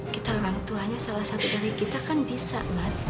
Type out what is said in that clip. kita orang tuanya salah satu dari kita kan bisa mas